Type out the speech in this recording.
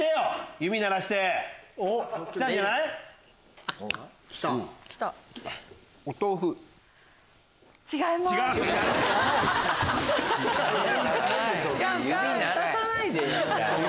指鳴らさないでよ！